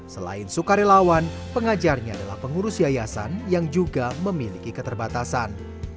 selain sukarelawan pengajarnya adalah pengurus yayasan yang juga memiliki keterbatasan